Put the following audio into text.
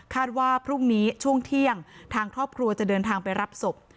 ว่าพรุ่งนี้ช่วงเที่ยงทางครอบครัวจะเดินทางไปรับศพ